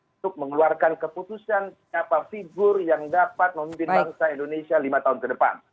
untuk mengeluarkan keputusan siapa figur yang dapat memimpin bangsa indonesia lima tahun ke depan